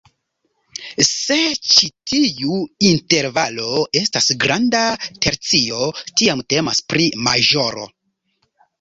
Se ĉi tiu intervalo estas granda tercio, tiam temas pri maĵoro.